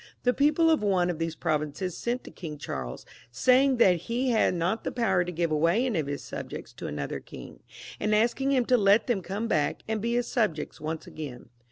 The people of one of these provinces sent to King Charles, saying that he had not the power to give away any of his subjects to another king, and asking him to let them come back and be his subjects once again.